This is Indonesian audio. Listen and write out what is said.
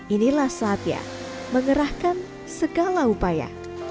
inilah saatnya mengerahkan segala upaya